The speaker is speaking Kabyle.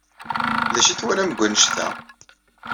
D acu ay twalam deg wanect-a?